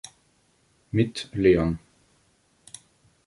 Mit Leon.